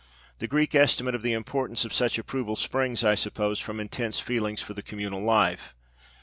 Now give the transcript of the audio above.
The Greek estimate of the importance of such approval springs, I suppose, from intense feeling for the communal life.